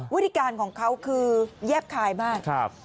วิธีการของเขาคือแยบคายมาก